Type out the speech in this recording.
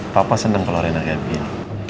papa seneng kalau rena ngambil